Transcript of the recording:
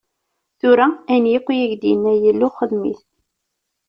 Tura, ayen akk i k-d-inna Yillu, xedm-it.